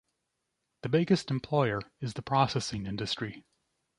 The biggest employer is the processing industry.